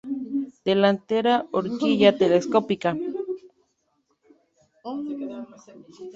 Delantera Horquilla telescópica.